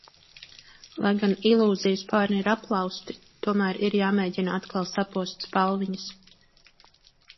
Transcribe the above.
Lai gan ilūziju spārni ir aplauzti, tomēr ir jāmēģina atkal sapost spalviņas.